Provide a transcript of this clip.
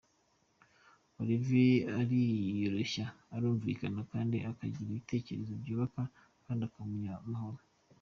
Olivier ariyoroshya, arumvikana kandi akagira ibitekerezo byubaka kandi akaba umunyamahoro.